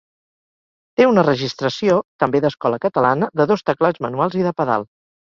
Té una registració, també d'escola catalana, de dos teclats manuals i de pedal.